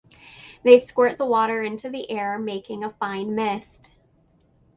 They squirt the water into the air, making a fine mist.